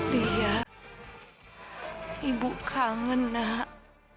leah ibu kangen nak